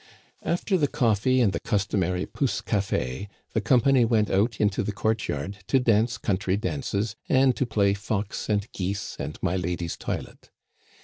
" After the coffee and the customary pousse café the company went out into the court yard to dance country dances and to play fox and geese and my lady's toilet.